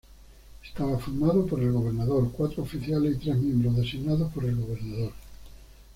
Estaba formado por el gobernador, cuatro oficiales y tres miembros designados por el gobernador.